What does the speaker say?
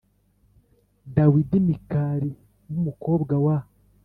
Dawidi Mikali b umukobwa wa